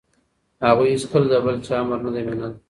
هغوی هیڅکله د بل چا امر نه دی منلی.